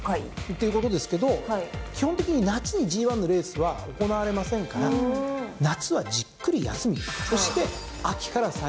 っていうことですけど基本的に夏にＧⅠのレースは行われませんから夏はじっくり休みそして秋から再始動。